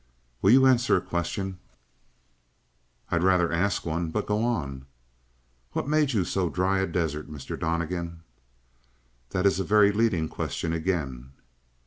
"Will you answer a question?" "I had rather ask one: but go on." "What made you so dry a desert, Mr. Donnegan?" "There is a very leading question again."